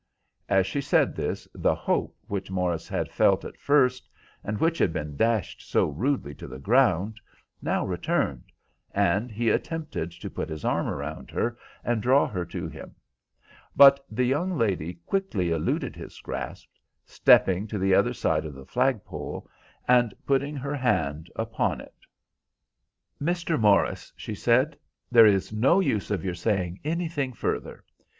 As she said this the hope which Morris had felt at first, and which had been dashed so rudely to the ground, now returned, and he attempted to put his arm about her and draw her to him; but the young lady quickly eluded his grasp, stepping to the other side of the flag pole, and putting her hand upon it. "Mr. Morris," she said, "there is no use of your saying anything further.